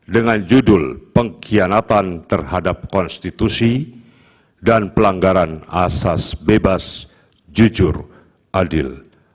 dengan judul pengkhianatan terhadap konstitusi dan pelanggaran asas bebas jujur adil